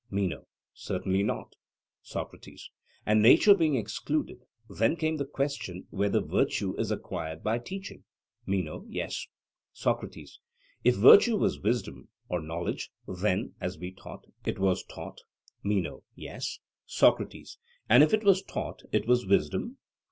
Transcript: MENO: Certainly not. SOCRATES: And nature being excluded, then came the question whether virtue is acquired by teaching? MENO: Yes. SOCRATES: If virtue was wisdom (or knowledge), then, as we thought, it was taught? MENO: Yes. SOCRATES: And if it was taught it was wisdom?